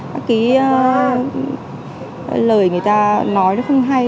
cái lời người ta nói nó không hay